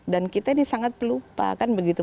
dan kita ini sangat pelupa kan begitu